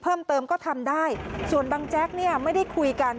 เพิ่มเติมก็ทำได้ส่วนบังแจ๊กเนี่ยไม่ได้คุยกัน